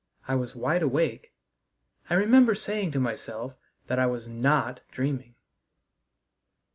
I was wide awake. I remember saying to myself that I was not dreaming.